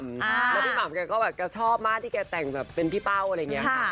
แล้วพี่หม่ำแกก็แบบแกชอบมากที่แกแต่งแบบเป็นพี่เป้าอะไรอย่างนี้ค่ะ